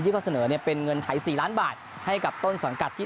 เขาเสนอเนี่ยเป็นเงินไทย๔ล้านบาทให้กับต้นสังกัดที่